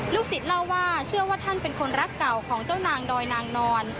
ศิษย์เล่าว่าเชื่อว่าท่านเป็นคนรักเก่าของเจ้านางดอยนางนอน